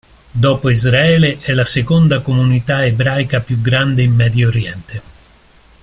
Dopo Israele è la seconda comunità ebraica più grande in Medio Oriente.